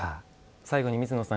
最後に水野さん